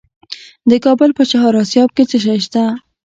د کابل په چهار اسیاب کې څه شی شته؟